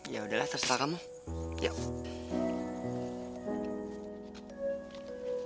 ya udahlah terserah kamu yuk